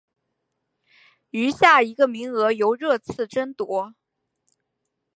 余下一个名额由热刺争夺。